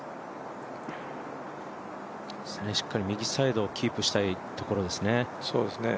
しっかり右サイドをキープしたいところですね。